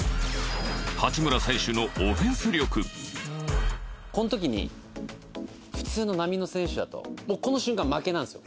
八村選手のオフェンス力満島：この時に普通の、並の選手だともうこの瞬間、負けなんですよ。